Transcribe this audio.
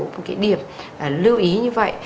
một cái điểm lưu ý như vậy